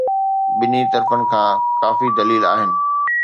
ٻنهي طرفن کان ڪافي دليل آهن.